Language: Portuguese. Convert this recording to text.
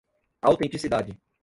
autenticidade